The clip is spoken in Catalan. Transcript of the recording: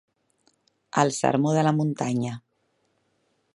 El sermó de la muntanya.